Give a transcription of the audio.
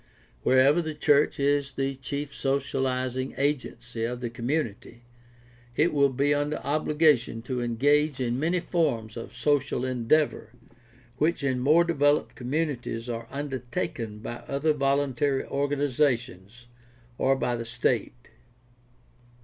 Wherever the church is the chief socializing agency of the community, it will be under obligation to engage in many forms of social en deavor which in more developed communities are undertaken by other voluntary organizations or by the state.